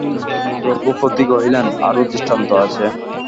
রঘুপতি কহিলেন, আরও দৃষ্টান্ত আছে।